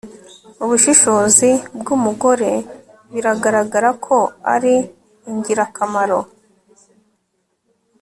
Ubushishozi bwumugore biragaragara ko ari ingirakamaro